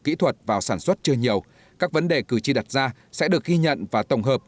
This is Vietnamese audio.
kỹ thuật vào sản xuất chưa nhiều các vấn đề cử tri đặt ra sẽ được ghi nhận và tổng hợp